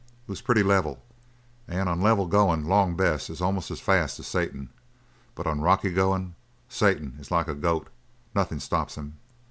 It was pretty level, and on level goin' Long Bess is almost as fast as Satan; but on rocky goin' Satan is like a goat nothin' stops him!